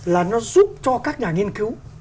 là nó giúp cho các nhà nghiên cứu